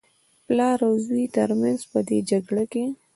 د پلار او زوى تر منځ په دې جګړه کې.